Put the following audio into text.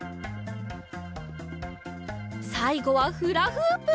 さいごはフラフープ。